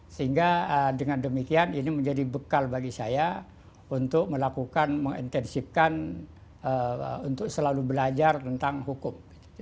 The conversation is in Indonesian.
sehingga dengan demikian ini menjadi bekal bagi saya untuk melakukan mengintensifkan untuk selalu belajar tentang hukum